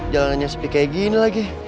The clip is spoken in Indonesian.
jalanannya sepi kayak gini lagi